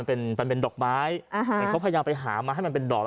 เป็นดอกไม้เขาพยายามไปหามาให้มันเป็นดอก